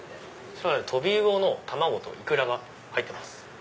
トビウオの卵とイクラが入ってます。